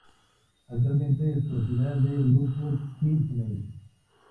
Actualmente es propiedad del grupo Qin Mei.